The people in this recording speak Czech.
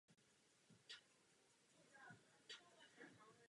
Následuje po čísle sedm set jedenáct a předchází číslu sedm set třináct.